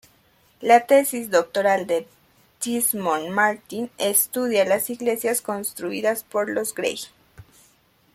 La tesis doctoral de Desmond Martin estudia las iglesias construidas por los Gray.